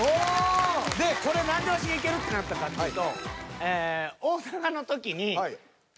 これ何でワシがいけるってなったかっていうと。